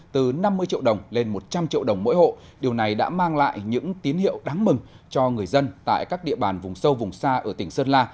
từ năm mươi triệu đồng lên một trăm linh triệu đồng mỗi hộ điều này đã mang lại những tín hiệu đáng mừng cho người dân tại các địa bàn vùng sâu vùng xa ở tỉnh sơn la